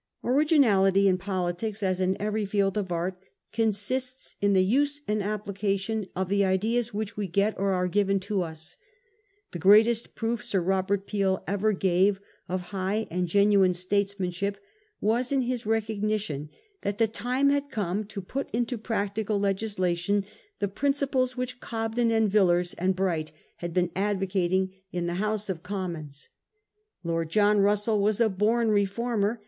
Originality in politics, as in every field of art, consists in the use and application of the ideas which we get or are given to us. The greatest proof Sir Robert Peel ever gave of high and genuine statesmanship was in his recog nition that the time had come to put into practical legislation the principles which Cobden and Villiers and Bright had been advocating in the House of 1837. O'CONNELL AND SHELL. 45 Commons. Lord John Russell was a bom reformer.